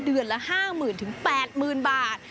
เดือนละ๕๐๐๐๐ถึง๘๐๐๐๐บาท